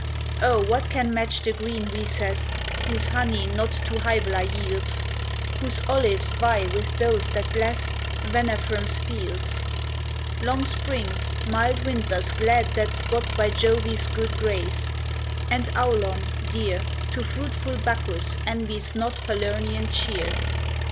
O, what can match the green recess, Whose honey not to Hybla yields, Whose olives vie with those that bless Venafrum's fields? Long springs, mild winters glad that spot By Jove's good grace, and Aulon, dear To fruitful Bacchus, envies not Falernian cheer.